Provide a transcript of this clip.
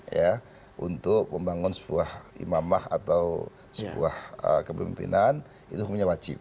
ya untuk membangun sebuah imamah atau sebuah kepemimpinan itu hukumnya wajib